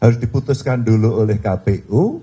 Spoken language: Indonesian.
harus diputuskan dulu oleh kpu